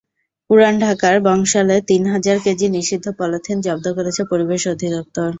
পুরান ঢাকার বংশালে তিন হাজার কেজি নিষিদ্ধ পলিথিন জব্দ করেছে পরিবেশ অধিদপ্তর।